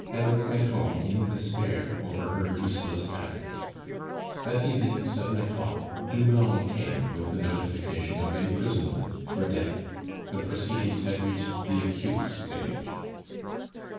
Eve went home in despair over her useless effort. That evening at seven o'clock, Doublon came with the notification of imprisonment for debt. The proceedings had reached the acute stage.